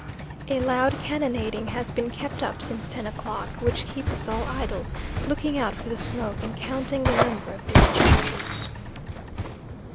A loud cannonading has been kept up since ten o'clock, which keeps us all idle, looking out for the smoke, and counting the number of discharges.